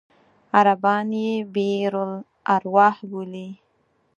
عربان یې بئر الأرواح بولي.